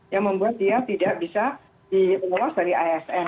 yang membuat dia tidak bisa lolos dari asn